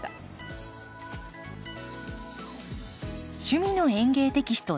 「趣味の園芸」テキスト１０